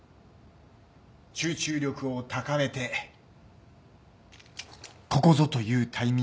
集中力を高めてここぞというタイミングで。